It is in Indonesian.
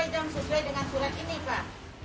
yang sesuai dengan surat ini pak